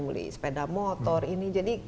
beli sepeda motor ini jadi